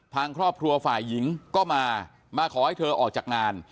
ทางครอบครัวฝ่ายหญิงก็มามาขอให้เธอออกจากงาน